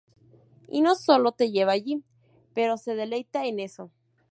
Y no solo te lleva allí, pero se deleita en eso.